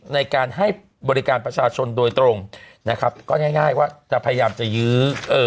ในการให้บริการประชาชนโดยตรงก็ง่ายว่าจะพยายามจะยื้อ